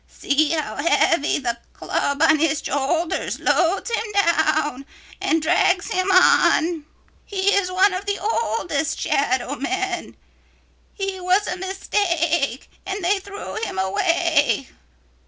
See how heavy the club on his shoulders loads him down and drags him on. He is one of the oldest shadow men. He was a mistake and they threw him away.